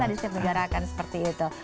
di setiap negara akan seperti itu